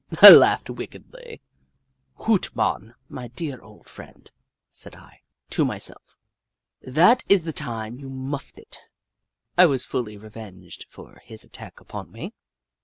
I laughed wickedly. " Hoot Mon, my dear old friend," said I to myself, " that is the time you muffed it." I was fully revenged for his attack upon me.